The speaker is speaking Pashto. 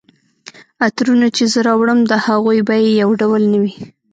عطرونه چي زه راوړم د هغوی بیي یو ډول نه وي